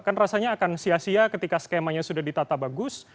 kan rasanya akan sia sia ketika skemanya sudah ditata bagus